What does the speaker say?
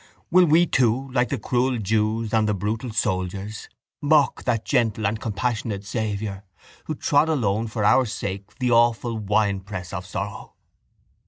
Will we too, like the cruel jews and the brutal soldiers, mock that gentle and compassionate Saviour Who trod alone for our sake the awful winepress of sorrow?